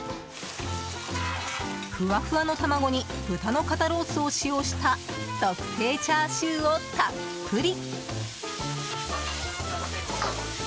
ふわふわの卵に豚の肩ロースを使用した特製チャーシューをたっぷり。